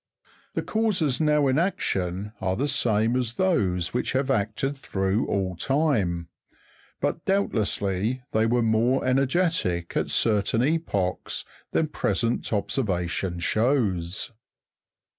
The causes now in action are the same as those which have acted through all time; but doubtlessly they were more energetic at certain epochs than present observation shows.